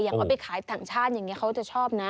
เอาไปขายต่างชาติอย่างนี้เขาจะชอบนะ